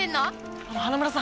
あの花村さん。